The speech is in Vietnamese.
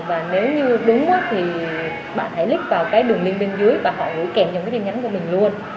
và nếu như đúng thì bạn hãy click vào cái đường link bên dưới và họ gửi kèm cho cái tin nhắn của mình luôn